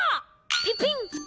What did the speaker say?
ピピン！